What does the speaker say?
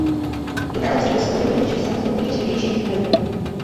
Tunel vznikl spojením tří samostatných dřívějších tunelů.